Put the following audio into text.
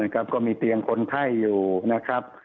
ก็มีเตียงคนไข้อยู่นะครับ